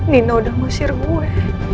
nino udah ngusir gue